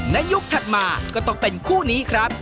ยุคถัดมาก็ต้องเป็นคู่นี้ครับ